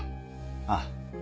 ああ。